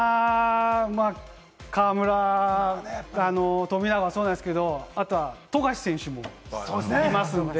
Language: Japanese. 河村、富永、そうなんですが、あと富樫選手もいますんで。